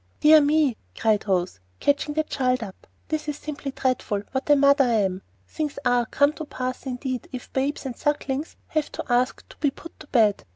"Dear me!" cried Rose, catching the child up. "This is simply dreadful! what a mother I am! Things are come to a pass indeed, if babes and sucklings have to ask to be put to bed.